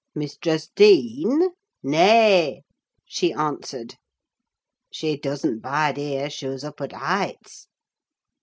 "Mistress Dean? Nay!" she answered, "she doesn't bide here: shoo's up at th' Heights."